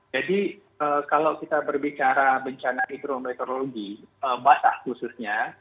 jadi kalau kita berbicara bencana hidrometeorologi batas khususnya